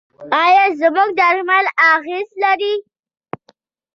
آیا زموږ درمل اغیز لري؟